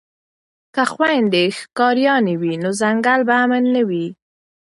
که خویندې ښکاریانې وي نو ځنګل به امن نه وي.